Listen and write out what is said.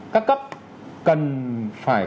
các cấp cần phải